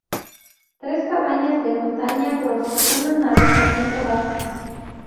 Tres cabañas de montaña proporcionan alojamiento básico.